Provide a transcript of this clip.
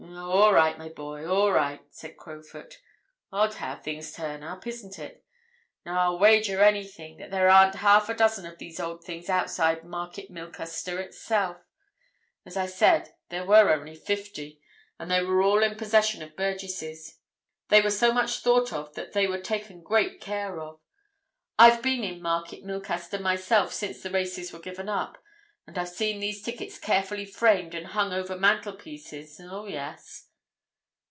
"Oh, all right, my boy, all right!" said Crowfoot. "Odd how things turn up, isn't it? Now, I'll wager anything that there aren't half a dozen of these old things outside Market Milcaster itself. As I said, there were only fifty, and they were all in possession of burgesses. They were so much thought of that they were taken great care of. I've been in Market Milcaster myself since the races were given up, and I've seen these tickets carefully framed and hung over mantelpieces—oh, yes!"